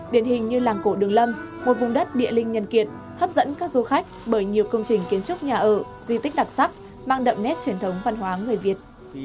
điển hình như làng cổ đường lâm một vùng đất địa linh nhân kiệt hấp dẫn các du khách bởi nhiều công trình kiến trúc nhà ở di tích đặc sắc mang đậm nét truyền thống văn hóa người việt